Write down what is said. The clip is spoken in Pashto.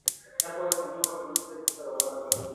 نپوهېږم څه وخت به مې سترګې سره ورغلې وې.